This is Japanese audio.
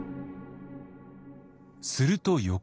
すると翌日。